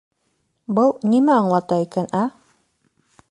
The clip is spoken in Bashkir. Был нимә аңлата икән, ә?